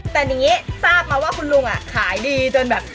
แต่อย่างนี้ทราบมาว่าคุณลุงขายดีจนแบบ